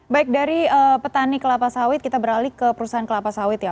baik dari petani kelapa sawit kita beralih ke perusahaan kelapa sawit ya